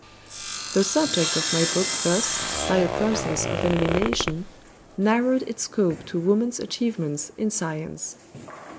The subject of my book thus, by a process of elimination, narrowed its scope to woman's achievements in science.